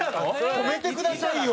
止めてくださいよ！